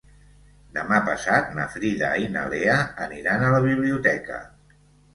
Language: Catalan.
Demà passat na Frida i na Lea aniran a la biblioteca.